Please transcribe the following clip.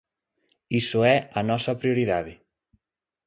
Iso é a nosa prioridade.